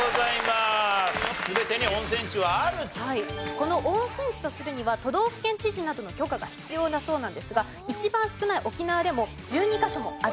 この温泉地とするには都道府県知事などの許可が必要だそうなんですが一番少ない沖縄でも１２カ所もあるそうです。